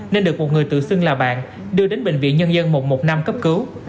nên được một người tự xưng là bạn đưa đến bệnh viện nhân dân một một năm cấp cứu